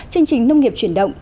chương trình nông nghiệp chuyển động